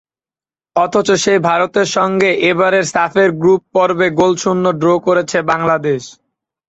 অথচ সেই ভারতের সঙ্গে এবারের সাফের গ্রুপ পর্বে গোলশূন্য ড্র করেছে বাংলাদেশ।